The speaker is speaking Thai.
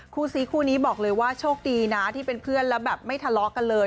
คู่ซีคู่นี้บอกเลยว่าโชคดีนะที่เป็นเพื่อนแล้วแบบไม่ทะเลาะกันเลย